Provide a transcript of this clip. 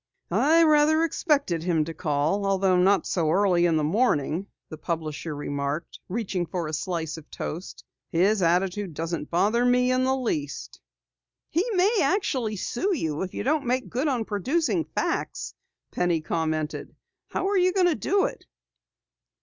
"I rather expected him to call, although not so early in the morning," the publisher remarked, reaching for a slice of toast. "His attitude doesn't bother me in the least." "He may actually sue you if you don't make good on producing facts," Penny commented. "How are you going to do it?"